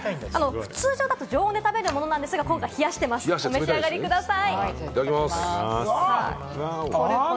通常だと常温で食べるものなんですが、今回冷やしてますので、お召し上がりください。